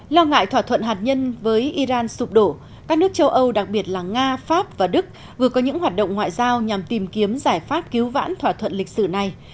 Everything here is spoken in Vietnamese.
lo ngại thỏa thuận hạt nhân với iran sụp đổ các nước châu âu đặc biệt là nga pháp và đức vừa có những hoạt động ngoại giao nhằm tìm kiếm giải pháp cứu vãn thỏa thuận lịch sử này